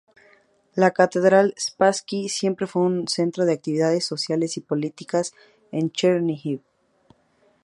La Catedral "Spassky" siempre fue el centro de actividades sociales y políticas en Cherníhiv.